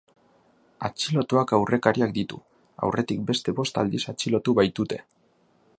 Atxilotuak aurrekariak ditu, aurretik beste bost aldiz atxilotu baitute.